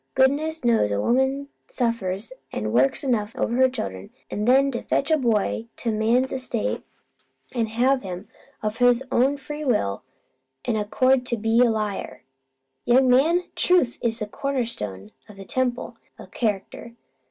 Goodness knows a woman suffers an' works enough over her children, an' then to fetch a boy to man's estate an' have him, of his own free will an' accord, be a liar! Young man, truth is the cornerstone o' the temple o' character.